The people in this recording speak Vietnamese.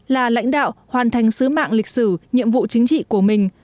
là lãnh đạo hoàn thành sứ mạng lịch sử nhiệm vụ chính trị của mình